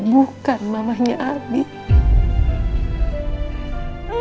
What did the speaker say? bukan mamanya abie